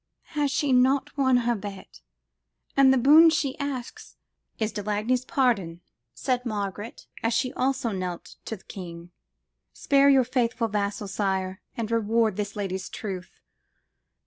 Has she not won her bet? And the boon she asks ""Is de Lagny's pardon," said Margaret, as she also knelt to the king: "spare your faithful vassal, sire, and reward this lady's truth."